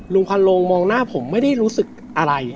พันโลงมองหน้าผมไม่ได้รู้สึกอะไร